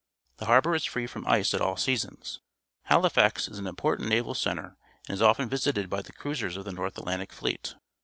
The harbour is free from ice at all seasons. Halifax is an impor tant naval centre and is often visited by the cruisers of the North Atlantic Fleet.